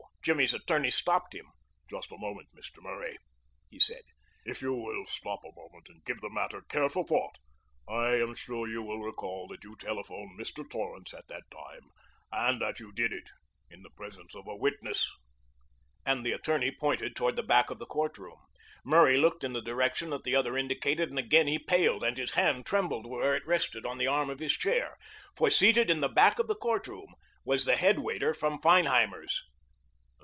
Jimmy's attorney stopped him. "Just a moment, Mr. Murray," he said, "if you will stop a moment and give the matter careful thought I am sure you will recall that you telephoned Mr. Torrance at that time, and that you did it in the presence of a witness," and the attorney pointed toward the back of the court room. Murray looked in the direction that the other indicated and again he paled and his hand trembled where it rested on the arm of his chair, for seated in the back of the courtroom was the head waiter from Feinheimer's.